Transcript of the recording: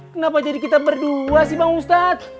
kenapa jadi kita berdua sih bang ustadz